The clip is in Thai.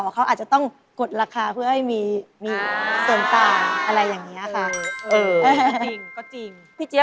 เขาอาจจะต้องกดราคาเพื่อให้มี